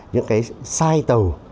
những cái size tàu